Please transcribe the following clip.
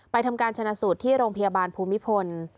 ทำการชนะสูตรที่โรงพยาบาลภูมิพล